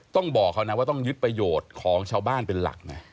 ต้องบอกเขานะว่าต้องยึดประโยชน์ของชาวบ้านเป็นหลักนะ